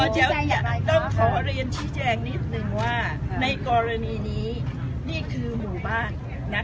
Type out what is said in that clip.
เดี๋ยวต้องขอเรียนชี้แจงนิดนึงว่าในกรณีนี้นี่คือหมู่บ้านนะ